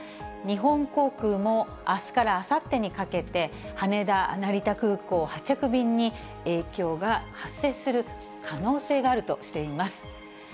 日本航空もあすからあさってにかけて、羽田、成田空港発着便に、影響が発生する可能性があるとしています。